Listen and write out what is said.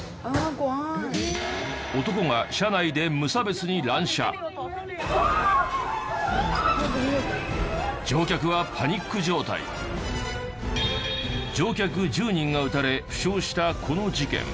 男が車内で乗客１０人が撃たれ負傷したこの事件。